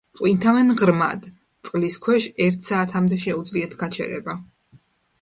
ყვინთავენ ღრმად, წყლის ქვეშ ერთ საათამდე შეუძლიათ გაჩერება.